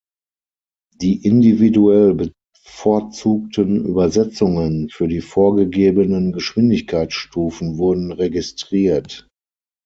Die individuell bevorzugten Übersetzungen für die vorgegebenen Geschwindigkeitsstufen wurden registriert.